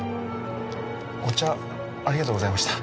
お茶ありがとうございました。